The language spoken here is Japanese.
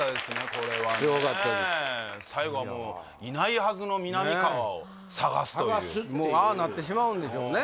これはね最後はもういないはずのみなみかわを探すというああなってしまうんでしょうね